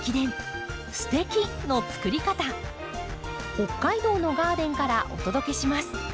北海道のガーデンからお届けします。